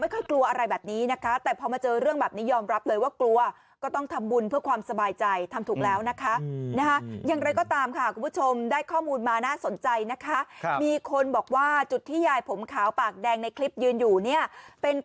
เขาบอกว่ายืนยิ้มด้วยนะใช่เออ